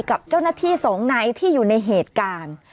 กับเจ้าหน้าที่สองนายที่อยู่ในเหตุการณ์